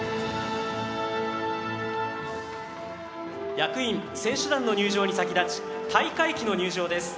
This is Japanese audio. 役員・選手団の入場に先立ち、大会旗の入場です。